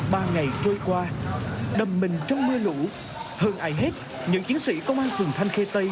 ba ngày trôi qua đầm mình trong mưa lũ hơn ai hết những chiến sĩ công an phường thanh khê tây